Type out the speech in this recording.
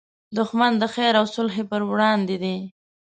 دښمن د خیر او صلحې پر وړاندې دی